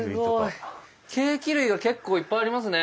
計器類が結構いっぱいありますね。